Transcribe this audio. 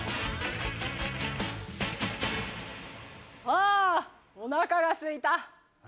ああーおなかがすいた。